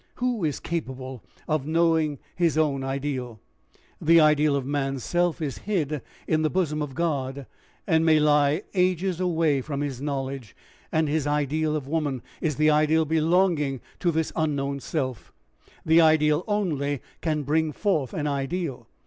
Who is capable of knowing his own ideal? The ideal of a man's self is hid in the bosom of God, and may lie ages away from his knowledge; and his ideal of woman is the ideal belonging to this unknown self: the ideal only can bring forth an ideal.